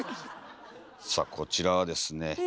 さあこちらはですね